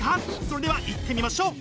それではいってみましょう！